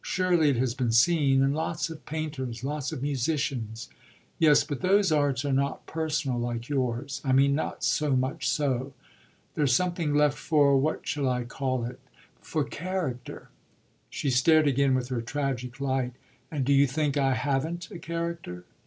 "Surely it has been seen in lots of painters, lots of musicians." "Yes, but those arts are not personal like yours. I mean not so much so. There's something left for what shall I call it? for character." She stared again with her tragic light. "And do you think I haven't a character?"